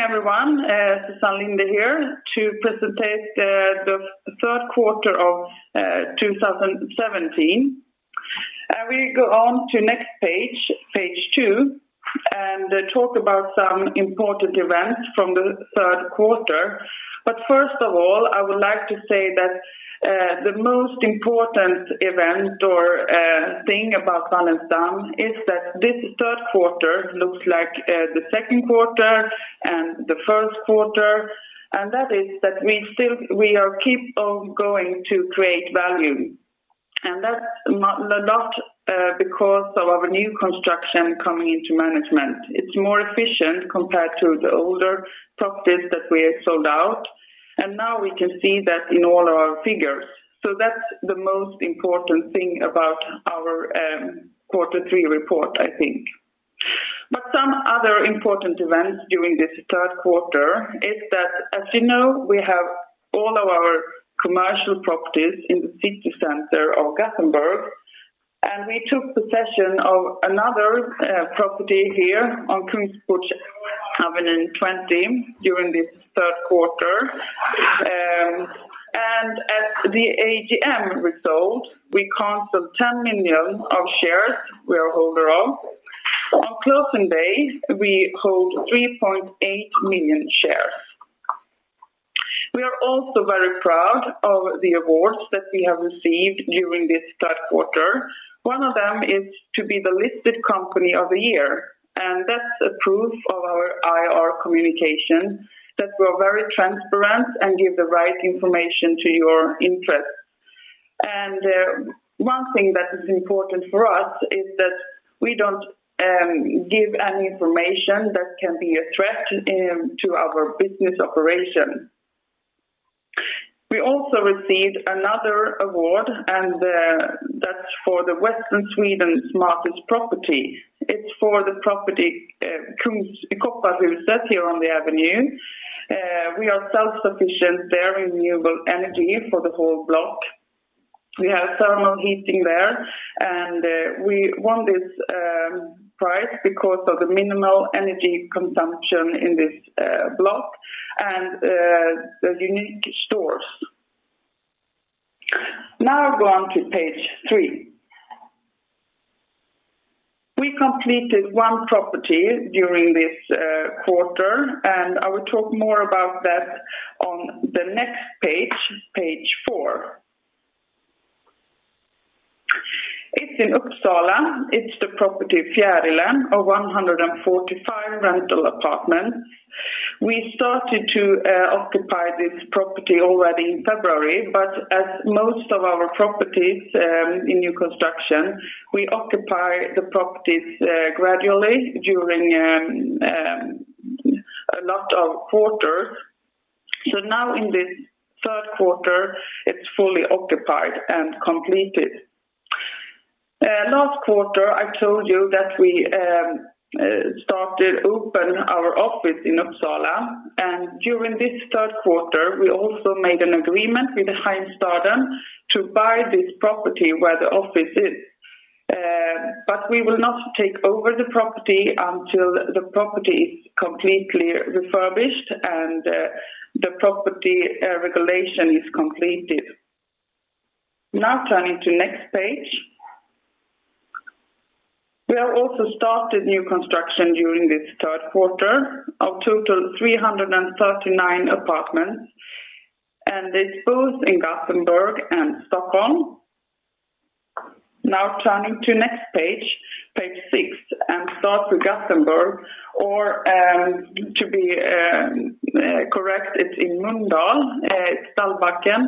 Good morning everyone, Susann Linde here to present the Third Quarter of 2017. I will go on to next page two, and talk about some important events from the third quarter. First of all, I would like to say that the most important event or thing about Wallenstam is that this third quarter looks like the second quarter and the first quarter, and that is that we are keep on going to create value. That's a lot because of our new construction coming into management. It's more efficient compared to the older properties that we have sold out, and now we can see that in all our figures. That's the most important thing about our quarter three report. Some other important events during this third quarter is that, as you know, we have all of our commercial properties in the city center of Gothenburg, and we took possession of another property here on Kungsgatan 20 during this third quarter. At the AGM result, we canceled 10 million of shares we are holder of. On closing day, we hold 3.8 million shares. We are also very proud of the awards that we have received during this third quarter. One of them is to be the Listed Company of the Year, and that's a proof of our IR communication, that we are very transparent and give the right information to your interest. One thing that is important for us is that we don't give any information that can be a threat to our business operation. We also received another award, that's for the Västsveriges smartaste fastighet. It's for the property Kopparhusen here on the avenue. We are self-sufficient there in renewable energy for the whole block. We have thermal heating there, we won this prize because of the minimal energy consumption in this block and the unique stores. Now I go on to page three. We completed one property during this quarter, I will talk more about that on the next page four. It's in Uppsala. It's the property Fjärilen of 145 rental apartments. We started to occupy this property already in February, as most of our properties in new construction, we occupy the properties gradually during a lot of quarters. Now in this third quarter, it's fully occupied and completed. Last quarter, I told you that we started open our office in Uppsala, and during this third quarter, we also made an agreement with Heimstaden to buy this property where the office is. We will not take over the property until the property is completely refurbished and the property regulation is completed. Now turning to next page. We have also started new construction during this third quarter of total 339 apartments, and it's both in Gothenburg and Stockholm. Now turning to next page six, and start with Gothenburg or, to be correct, it's in Mölndal, Stallbacken.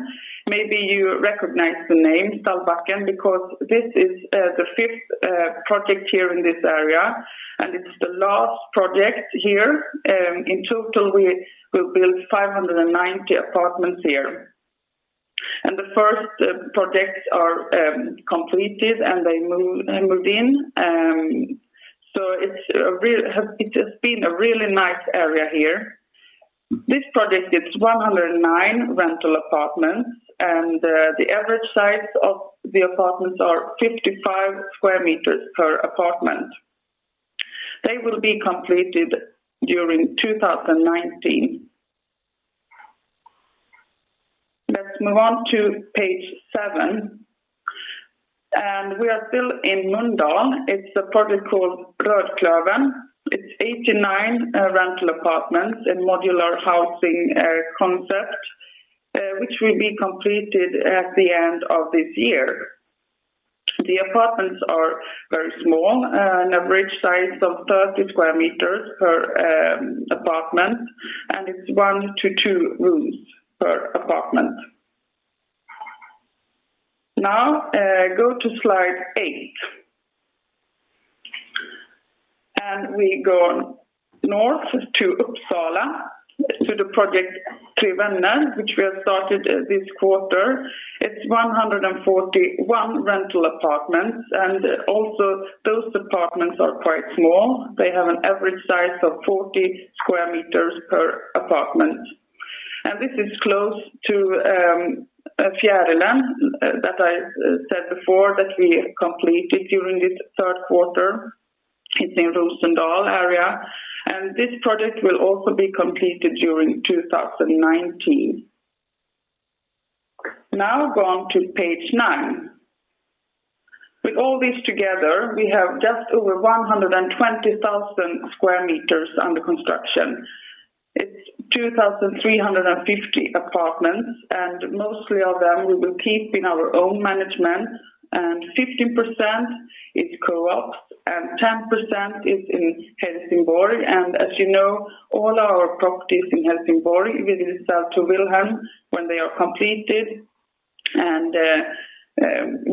Maybe you recognize the name Stallbacken because this is the fifth project here in this area, and it's the last project here. In total, we will build 590 apartments here. The first projects are completed, they moved in. It has been a really nice area here. This project is 109 rental apartments, the average size of the apartments are 55 sq m per apartment. They will be completed during 2019. Let's move on to page seven. We are still in Mölndal. It's a project called Rödklövern. It's 89 rental apartments in modular housing concept, which will be completed at the end of this year. The apartments are very small, an average size of 30 sq m per apartment, and it's 1-2 rooms per apartment. Now, go to slide eight. We go north to Uppsala, to the project Tre Vänner, which we have started this quarter. It's 141 rental apartments, and also those apartments are quite small. They have an average size of 40 square meters per apartment. This is close to Fjärilen that I said before that we completed during this third quarter. It's in the Rosendal area, and this project will also be completed during 2019. Now go on to page 9. With all this together, we have just over 120,000 square meters under construction. It's 2,350 apartments, and mostly of them we will keep in our own management, and 50% is co-ops, and 10% is in Helsingborg. As you know, all our properties in Helsingborg will sell to Willhem when they are completed.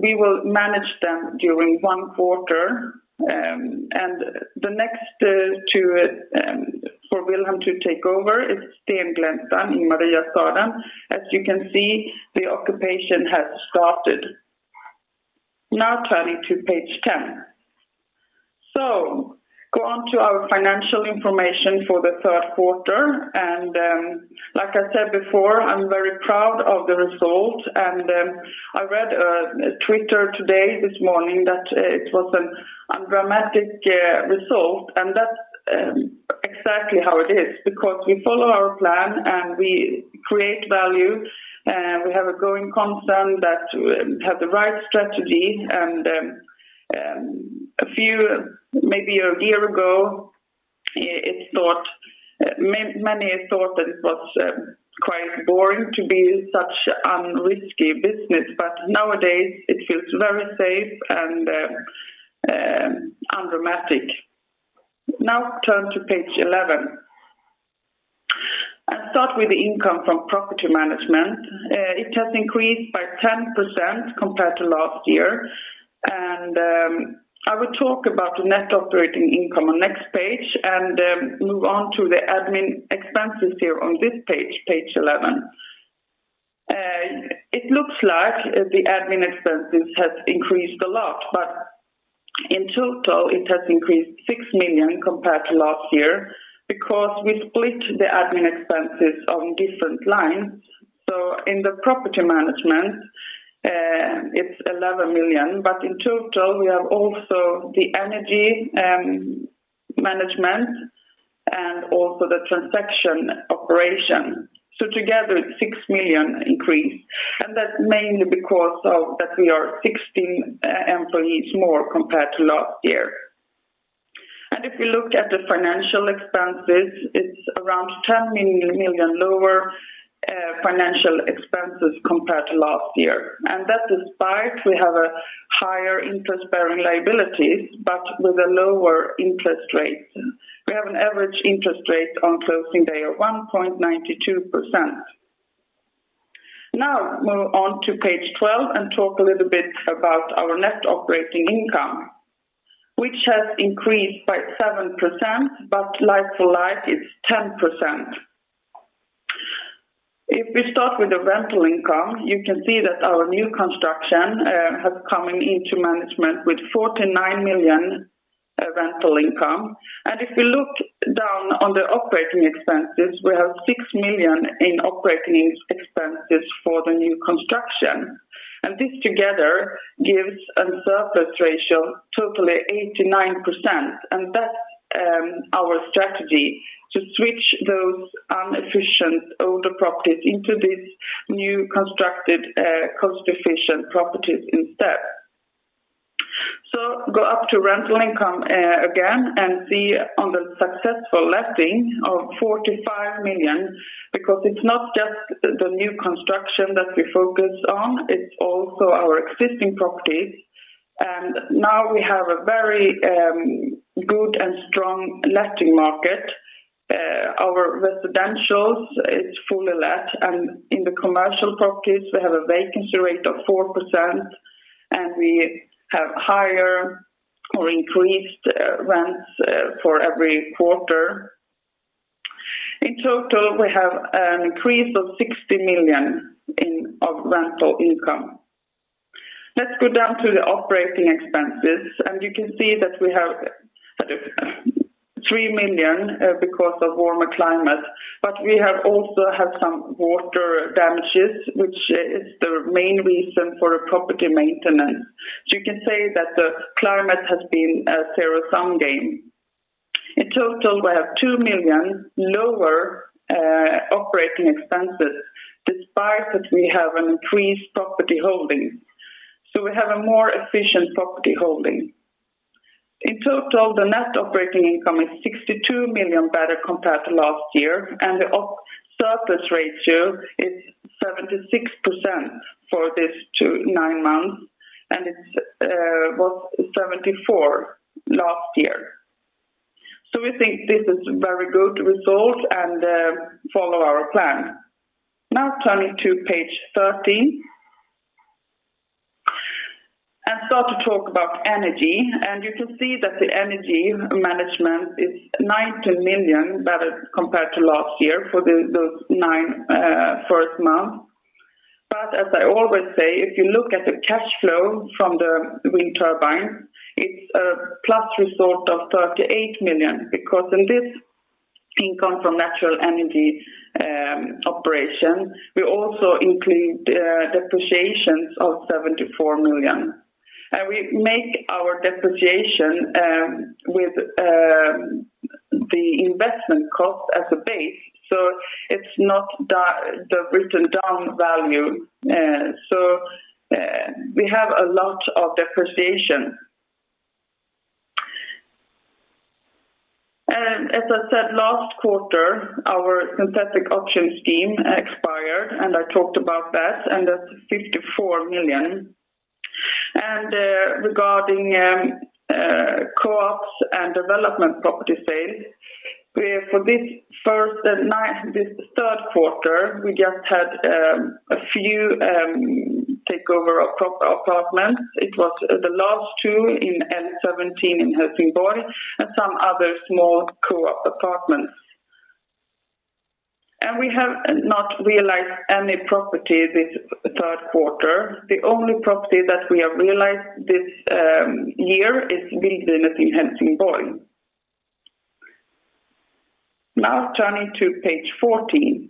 We will manage them during 1 quarter. The next two for Willhem to take over is Stengläntan in Mariastaden. As you can see, the occupation has started. Now turning to page 10. Go on to our financial information for the third quarter. Like I said before, I'm very proud of the result. I read Twitter today, this morning, that it was an undramatic result, and that's exactly how it is because we follow our plan and we create value. We have a growing concern that have the right strategy. Maybe a year ago it's thought, many thought that it was quite boring to be such unrisky business, but nowadays it feels very safe and undramatic. Now turn to page 11. Start with the income from property management. It has increased by 10% compared to last year. I will talk about the net operating income on next page and move on to the admin expenses here on this page 11. It looks like the admin expenses has increased a lot, but in total it has increased 6 million compared to last year because we split the admin expenses on different lines. In the property management, it's 11 million, but in total, we have also the energy management and also the transaction operation. Together, it's 6 million increase, that's mainly because of that we are 16 employees more compared to last year. If you look at the financial expenses, it's around 10 million lower financial expenses compared to last year. That despite we have a higher interest-bearing liabilities, but with a lower interest rate. We have an average interest rate on closing day of 1.92%. Move on to page 12 and talk a little bit about our net operating income, which has increased by 7%, but like for like it's 10%. If we start with the rental income, you can see that our new construction has coming into management with 49 million rental income. If we look down on the operating expenses, we have 6 million in operating expenses for the new construction. This together gives a surplus ratio totally 89%. That's our strategy to switch those inefficient older properties into this new constructed cost-efficient properties instead. Go up to rental income again and see on the successful letting of 45 million, because it's not just the new construction that we focus on, it's also our existing properties. Now we have a very good and strong letting market. Our residentials is fully let, and in the commercial properties we have a vacancy rate of 4%, and we have higher or increased rents for every quarter. In total, we have an increase of 60 million of rental income. Let's go down to the operating expenses, and you can see that we have 3 million because of warmer climate. We also have some water damages, which is the main reason for a property maintenance. You can say that the climate has been a zero-sum game. In total, we have 2 million lower operating expenses despite that we have an increased property holding. We have a more efficient property holding. In total, the net operating income is 62 million better compared to last year, the op surplus ratio is 76% for this 9 months, and it was 74 last year. We think this is very good result and follow our plan. Now turning to page 13. Start to talk about energy. You can see that the energy management is 90 million better compared to last year for the, those 9 first month. As I always say, if you look at the cash flow from the wind turbine, it's a plus result of 38 million because in this income from natural energy operation, we also include depreciations of 74 million. We make our depreciation with the investment cost as a base, so it's not the written-down value. We have a lot of depreciation. As I said last quarter, our synthetic option scheme expired and I talked about that, and that's 54 million. Regarding co-ops and development property sales, we have for this first this third quarter, we just had a few takeover apartments. It was the last two in N17 in Helsingborg and some other small co-op apartments. We have not realized any property this third quarter. The only property that we have realized this year is building at Helsingborg. Now turning to page 14.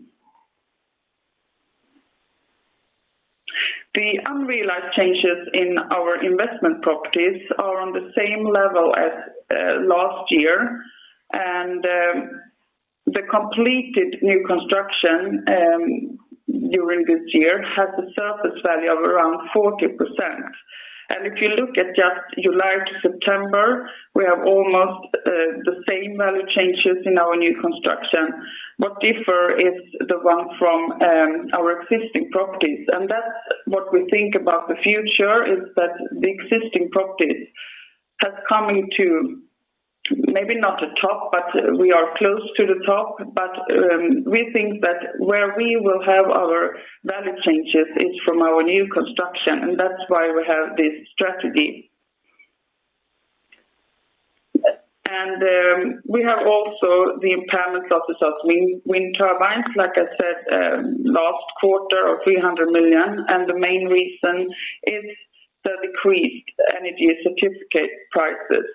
The unrealized changes in our investment properties are on the same level as last year. The completed new construction during this year has a surface value of around 40%. If you look at just July to September, we have almost the same value changes in our new construction. What differ is the one from our existing properties. That's what we think about the future is that the existing properties has coming to maybe not the top, but we are close to the top. We think that where we will have our value changes is from our new construction, and that's why we have this strategy. We have also the impairment of the Sydvind wind turbines, like I said, last quarter of 300 million, and the main reason is the decreased energy certificate prices.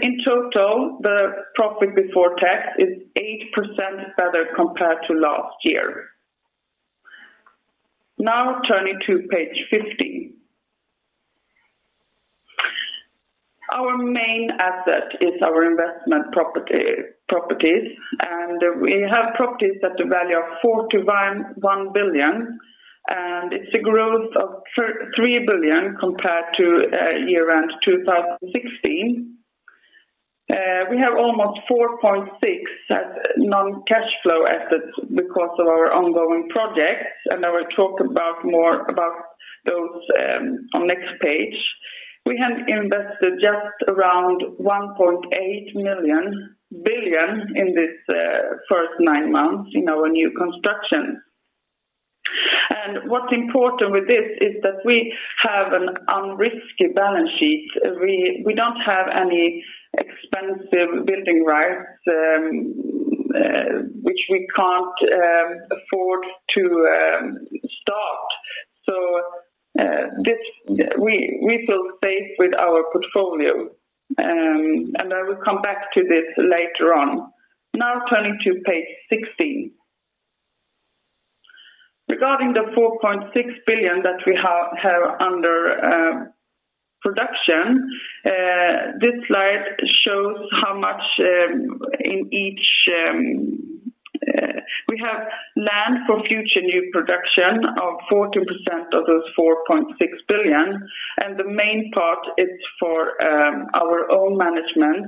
In total, the profit before tax is 8% better compared to last year. Now turning to page 15. Our main asset is our investment properties, and we have properties at the value of 41.1 billion, and it's a growth of 3 billion compared to year-end 2016. We have almost 4.6 as non-cash flow assets because of our ongoing projects, and I will talk about more about those on next page. We have invested just around 1.8 million billion in this first 9 months in our new construction. What's important with this is that we have an unrisky balance sheet. We don't have any expensive building rights which we can't afford to start. This, we feel safe with our portfolio, and I will come back to this later on. Now turning to page 16. Regarding the 4.6 billion that we have under production, this slide shows how much in each. We have land for future new production of 14% of those 4.6 billion, the main part is for our own management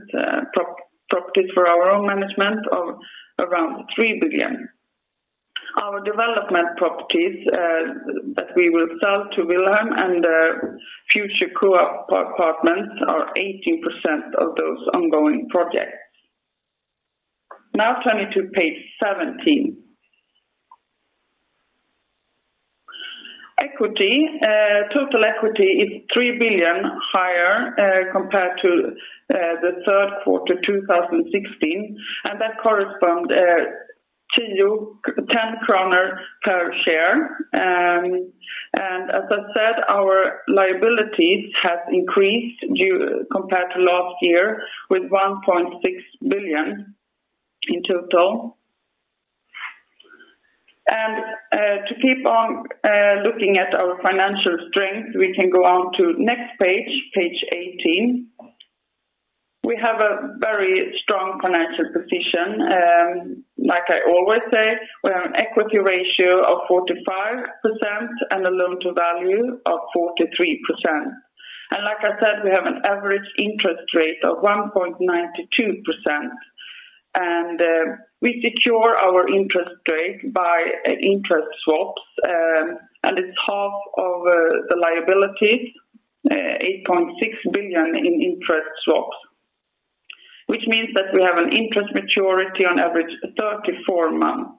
properties for our own management of around 3 billion. Our development properties that we will sell to Willhem and future co-op apartments are 18% of those ongoing projects. Turning to page 17. Equity, total equity is 3 billion higher compared to the third quarter 2016, that correspond 10 kronor per share. As I said, our liabilities have increased compared to last year with 1.6 billion in total. To keep on looking at our financial strength, we can go on to next page 18. We have a very strong financial position. Like I always say, we have an equity ratio of 45% and a loan-to-value of 43%. Like I said, we have an average interest rate of 1.92%. We secure our interest rate by interest swaps, and it's half of the liabilities, 8.6 billion in interest swaps, which means that we have an interest maturity on average 34 months.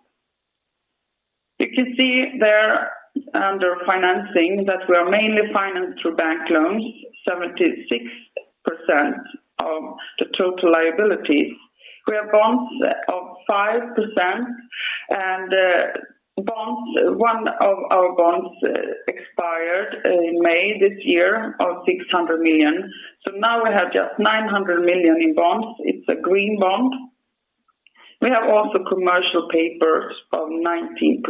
You can see there under financing that we are mainly financed through bank loans, 76% of the total liabilities. We have bonds of 5%. One of our bonds expired in May this year of 600 million. Now we have just 900 million in bonds. It's a green bond. We have also commercial papers of 19%.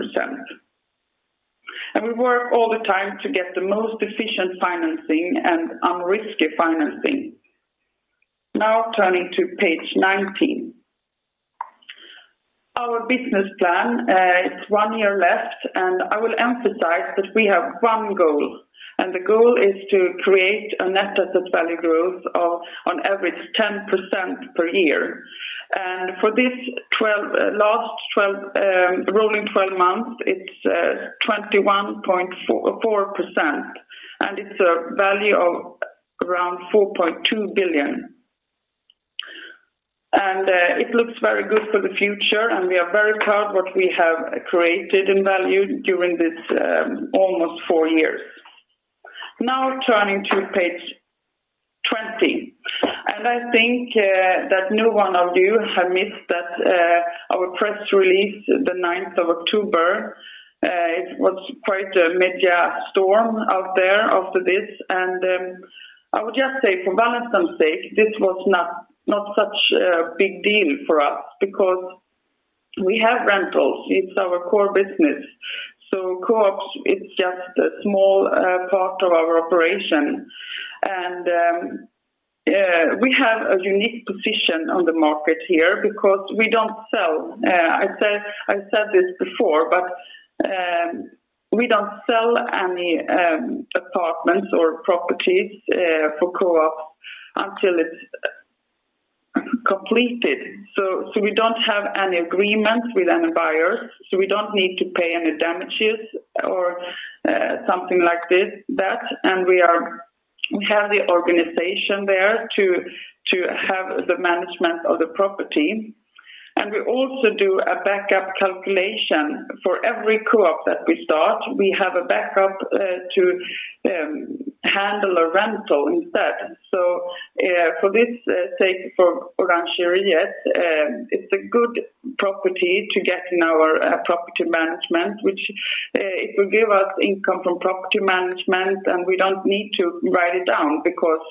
We work all the time to get the most efficient financing and unrisky financing. Now turning to page 19. Our business plan, it's 1 year left, and I will emphasize that we have 1 goal, and the goal is to create a net asset value growth of on average 10% per year. For this last 12, rolling 12 months, it's 21.44%, and it's a value of around 4.2 billion. It looks very good for the future, and we are very proud what we have created in value during this almost 4 years. Now turning to page 20. I think that no one of you have missed that our press release the 9th of October. It was quite a media storm out there after this. I would just say for balance some sake, this was not such a big deal for us because we have rentals. It's our core business. Co-ops is just a small part of our operation. We have a unique position on the market here because we don't sell. I said this before, but we don't sell any apartments or properties for co-ops until it's completed. We don't have any agreements with any buyers, so we don't need to pay any damages or something like this, that. We have the organization there to have the management of the property. We also do a backup calculation. For every co-op that we start, we have a backup to handle a rental instead. For this, say for Orangeriet, it's a good property to get in our property management, which it will give us income from property management, and we don't need to write it down because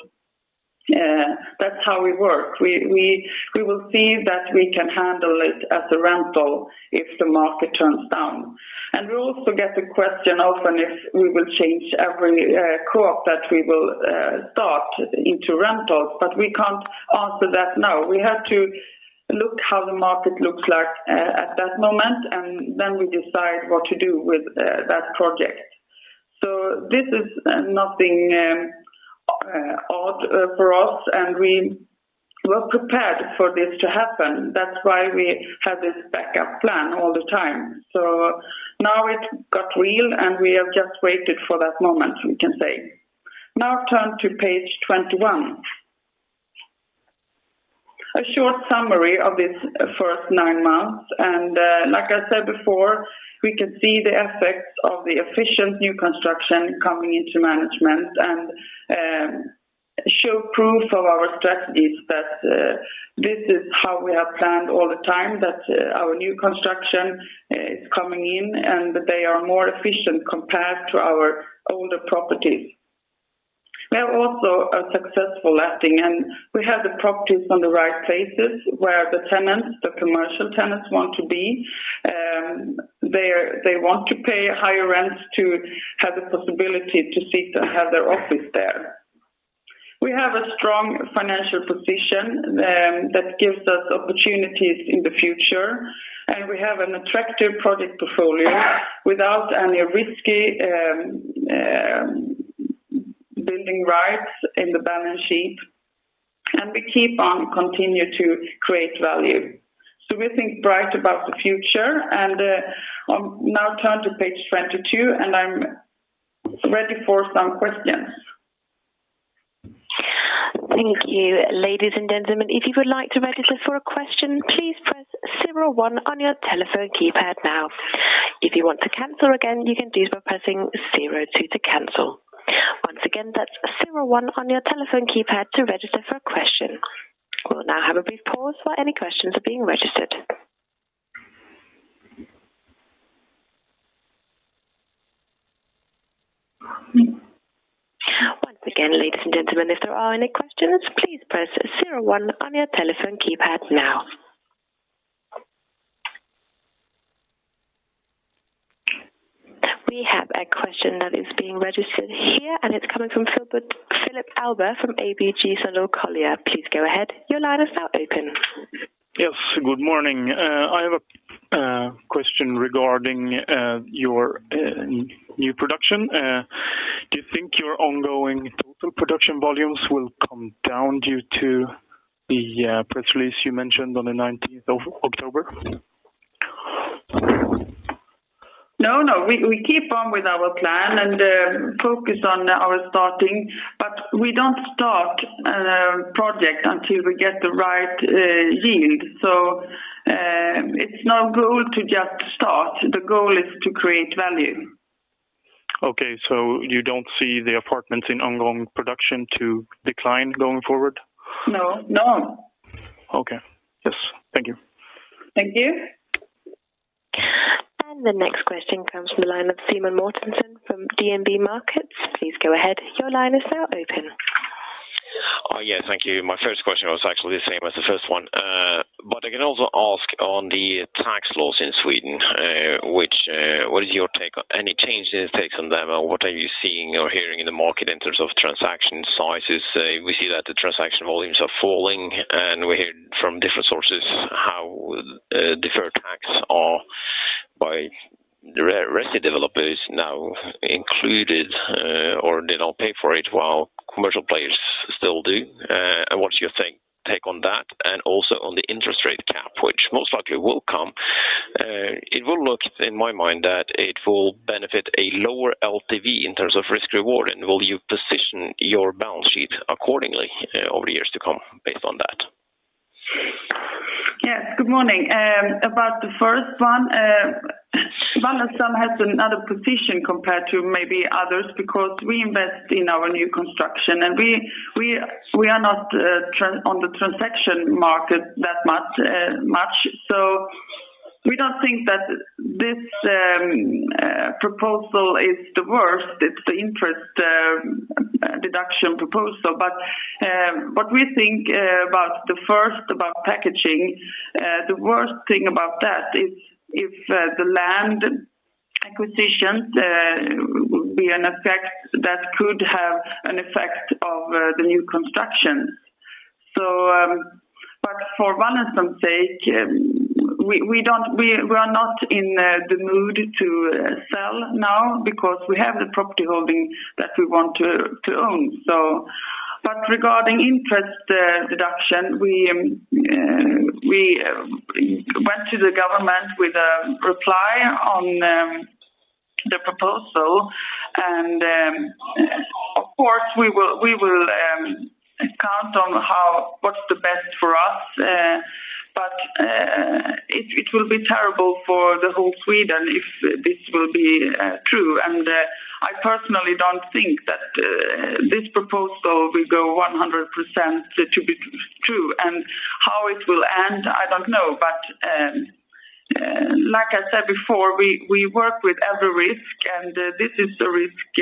that's how we work. We will see that we can handle it as a rental if the market turns down. We also get a question often if we will change every co-op that we will start into rentals, but we can't answer that now. We have to look how the market looks like at that moment, and then we decide what to do with that project. This is nothing odd for us, and we were prepared for this to happen. That's why we have this backup plan all the time. Now it got real. We have just waited for that moment, we can say. Turn to page 21. A short summary of this first 9 months. Like I said before, we can see the effects of the efficient new construction coming into management and show proof of our strategies that this is how we have planned all the time, that our new construction is coming in, and they are more efficient compared to our older properties. We have also a successful letting, and we have the properties on the right places where the tenants, the commercial tenants want to be. They want to pay higher rents to have the possibility to sit and have their office there. We have a strong financial position, that gives us opportunities in the future. We have an attractive project portfolio without any risky building rights in the balance sheet. We keep on continue to create value. We think bright about the future and now turn to page 22. I'm ready for some questions. Thank you. Ladies and gentlemen, if you would like to register for a question, please press zero one on your telephone keypad now. If you want to cancel again, you can do so by pressing zero two to cancel. Once again, that's zero one on your telephone keypad to register for a question. We'll now have a brief pause while any questions are being registered. Once again, ladies and gentlemen, if there are any questions, please press zero one on your telephone keypad now. We have a question that is being registered here. It's coming from Philip Hallberg from ABG Sundal Collier. Please go ahead. Your line is now open. Yes, good morning. I have a question regarding your new production. Do you think your ongoing total production volumes will come down due to the press release you mentioned on the 19th of October? No. We keep on with our plan and focus on our starting, but we don't start project until we get the right yield. It's not goal to just start. The goal is to create value. Okay. You don't see the apartments in ongoing production to decline going forward? No. Okay. Yes. Thank you. Thank you. The next question comes from the line of Simen Mortensen from DNB Markets. Please go ahead. Your line is now open. Thank you. My first question was actually the same as the first one. I can also ask on the tax laws in Sweden, what is your take on any changes takes on them, or what are you seeing or hearing in the market in terms of transaction sizes? We see that the transaction volumes are falling, and we hear from different sources how, deferred tax are by resident developers now included, or they don't pay for it while commercial players still do. What's your take on that? Also on the interest rate cap, which most likely will come. It will look in my mind that it will benefit a lower LTV in terms of risk reward. Will you position your balance sheet accordingly, over the years to come based on that? Yes. Good morning. About the first one, Wallenstam has another position compared to maybe others because we invest in our new construction and we are not on the transaction market that much. We don't think that this proposal is the worst. It's the interest deduction proposal. What we think about the first about packaging, the worst thing about that is if the land acquisitions would be an effect that could have an effect of the new construction. But for Wallenstam sake, we are not in the mood to sell now because we have the property holding that we want to own. Regarding interest deduction, we went to the government with a reply on the proposal. Of course, we will count on how what's the best for us. It will be terrible for the whole Sweden if this will be true. I personally don't think that this proposal will go 100% to be true. How it will end, I don't know. Like I said before, we work with every risk, and this is a risk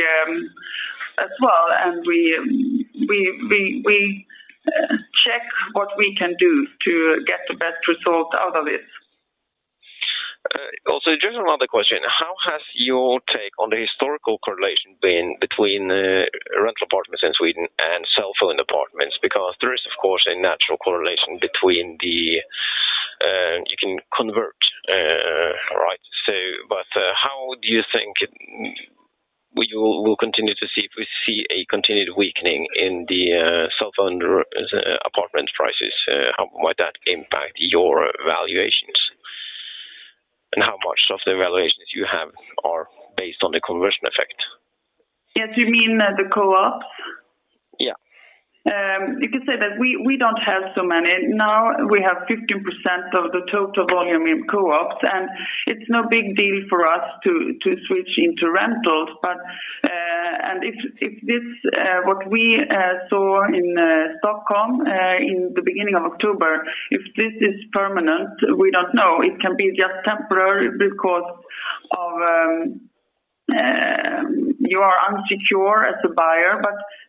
as well. We check what we can do to get the best result out of it. Also just another question. How has your take on the historical correlation been between rental apartments in Sweden and tenant-owned apartments? There is, of course, a natural correlation between the, you can convert, right? But how do you think we'll continue to see if we see a continued weakening in the tenant-owned apartment prices, how might that impact your valuations? How much of the valuations you have are based on the conversion effect? Yes, you mean the co-ops? Yeah. You can say that we don't have so many. Now we have 15% of the total volume in co-ops, and it's no big deal for us to switch into rentals. If this is what we saw in Stockholm, in the beginning of October, if this is permanent, we don't know. It can be just temporary because you are unsecure as a buyer,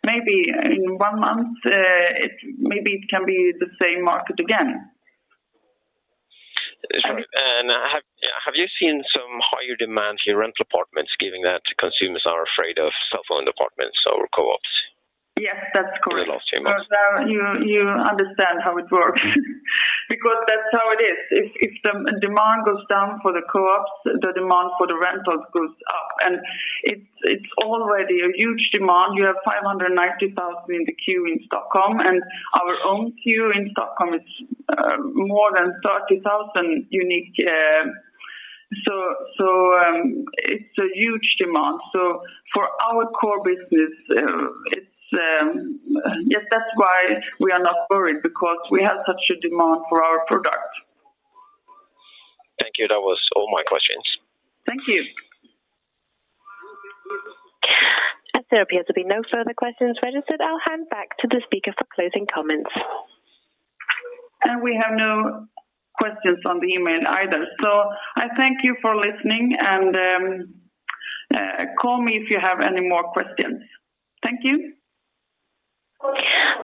maybe in one month, maybe it can be the same market again. Have you seen some higher demand in rental apartments giving that consumers are afraid of tenant-owned apartments or co-ops? Yes, that's correct. The last few months. You understand how it works because that's how it is. If the demand goes down for the co-ops, the demand for the rentals goes up. It's already a huge demand. You have 590,000 in the queue in Stockholm, and our own queue in Stockholm is more than 30,000 unique. It's a huge demand. For our core business, yes, that's why we are not worried because we have such a demand for our product. Thank you. That was all my questions. Thank you. As there appears to be no further questions registered, I'll hand back to the speaker for closing comments. We have no questions on the email either. I thank you for listening and call me if you have any more questions. Thank you.